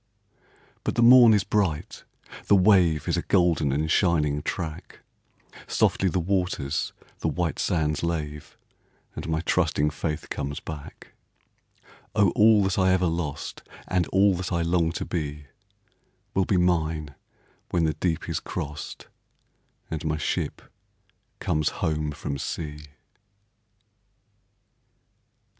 But the morn is bright the wave Is a golden and shining track, Softly the waters the white sands lave, And my trusting faith comes back; Oh, all that I ever lost, And all that I long to be, Will be mine when the deep is crossed, And my ship comes home from sea.